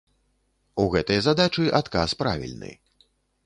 У гэтай задачы адказ правільны.